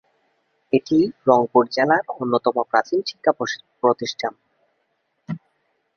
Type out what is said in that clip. এটি রংপুর জেলার অন্যতম প্রাচীন শিক্ষা প্রতিষ্ঠান।